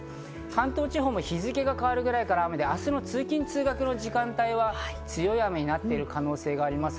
関東地方も日付が変わるくらいから雨で、明日の通勤通学の時間帯は強い雨になっている可能性があります。